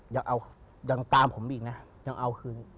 ยังตามผมอีกนะยังเอาคืน